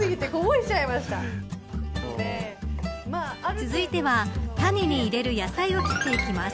続いてはタネに入れる野菜を切っていきます。